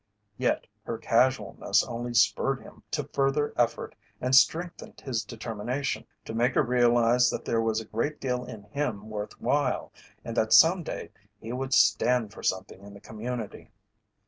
Yet her casualness only spurred him to further effort and strengthened his determination to make her realize that there was a great deal in him worth while and that some day he would stand for something in the community.